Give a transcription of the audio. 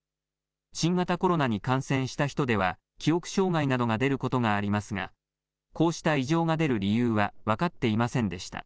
新型コロナに感染した人では記憶障害などが出ることがありますがこうした異常が出る理由は分かっていませんでした。